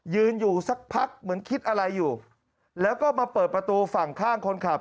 ยืนอยู่สักพักเหมือนคิดอะไรอยู่แล้วก็มาเปิดประตูฝั่งข้างคนขับ